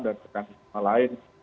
dan mekanisme lain